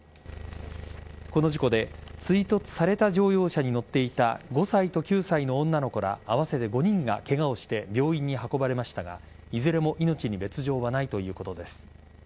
この事故で追突された乗用車に乗っていた５歳と９歳の女の子ら合わせて５人がケガをして病院に運ばれましたがいずれも命に別条はないということです。